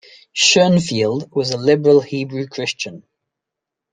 Schonfield was a liberal Hebrew Christian.